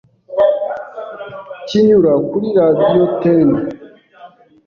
kinyura kuri Radio ten